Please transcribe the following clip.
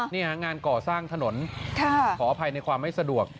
นี่ฮะงานก่อสร้างถนนขออภัยในความไม่สะดวก